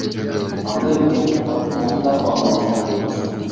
Анда өкмөттүн токтомун да кабыл алышкан болчу.